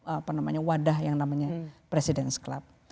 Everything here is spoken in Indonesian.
apa namanya wadah yang namanya presiden club